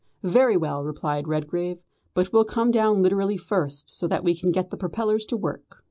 "Very well," replied Redgrave; "but we'll come down literally first, so that we can get the propellers to work."